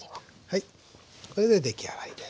はいこれで出来上がりです。